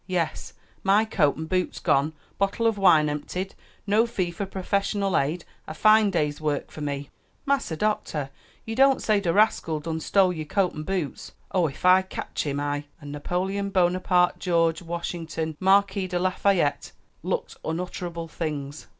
"Yes, my coat and boots gone, bottle of wine emptied, no fee for professional aid a fine day's work for me." "Massa Doctah! you don't say de rascal done stole yer coat an' boots? Oh, ef I cotch him, I " and Napoleon Bonaparte George Washington Marquis de Lafayette looked unutterable things.